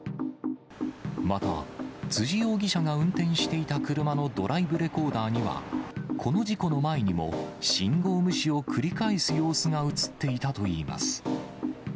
また、辻容疑者が運転していた車のドライブレコーダーには、この事故の前にも信号無視を繰り返す様子が写っていたといいます。